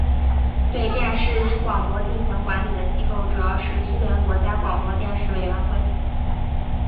对电视与广播进行管理的机构主要是苏联国家广播电视委员会。